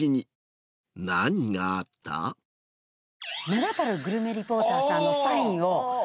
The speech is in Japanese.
名だたるグルメリポーターさんのサインを店前に。